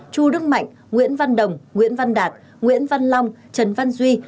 chu đức mạnh nguyễn văn đồng nguyễn văn đạt nguyễn văn long trần văn duy